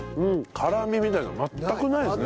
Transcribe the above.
辛みみたいなの全くないですね。